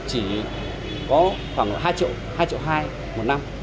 chỉ có khoảng hai triệu hai triệu hai một năm